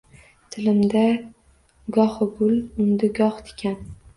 Tilimda gohi gul undi, goh tikan